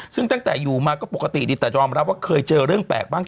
ซึ่งตั้งแต่อยู่มาก็ปกติดีแต่ยอมรับว่าเคยเจอเรื่องแปลกบ้าง